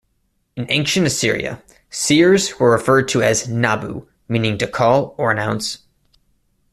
In ancient Assyria seers were referred to as "nabu", meaning "to call" or "announce".